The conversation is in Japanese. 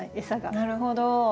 なるほど。